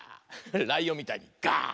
ライオンみたいに「があ！」。